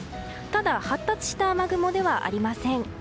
ただ、発達した雨雲ではありません。